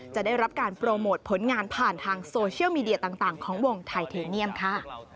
จะได้รับการโปรโมทผลงานผ่านทางโซเชียลมีเดียต่างของวงไทเทเนียมค่ะ